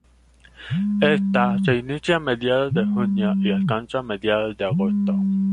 Ésta se inicia a mediados de junio y alcanza mediados de agosto.